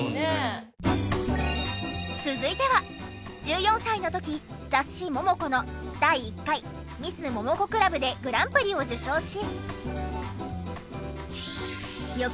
続いては１４歳の時雑誌『Ｍｏｍｏｃｏ』の第１回ミス・モモコクラブでグランプリを受賞し。